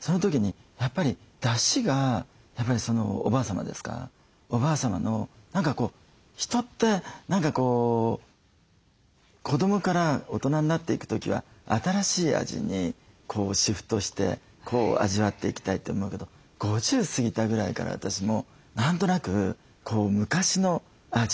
その時にやっぱりだしがやっぱりそのおばあさまですかおばあさまの人って何かこう子どもから大人になっていく時は新しい味にシフトして味わっていきたいと思うけど５０過ぎたぐらいから私も何となく昔の味